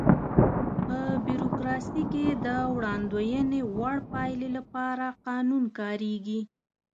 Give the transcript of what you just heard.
په بیوروکراسي کې د وړاندوينې وړ پایلې لپاره قانون کاریږي.